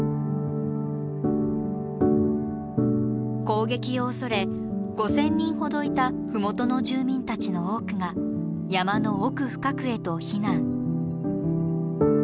攻撃を恐れ５，０００人ほどいた麓の住民たちの多くが山の奥深くへと避難。